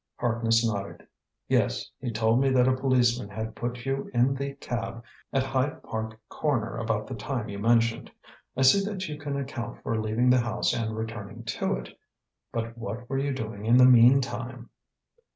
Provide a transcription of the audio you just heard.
Harkness nodded. "Yes. He told me that a policeman had put you in the cab at Hyde Park Corner about the time you mentioned. I see that you can account for leaving the house and returning to it. But what were you doing in the meantime?"